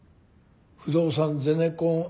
不動産ゼネコンＩＴ。